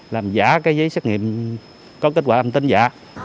làm giả cái giấy xét nghiệm có kết quả âm tính giả